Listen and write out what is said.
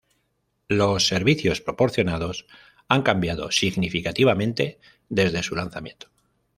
Los servicios proporcionados han cambiado significativamente desde su lanzamiento.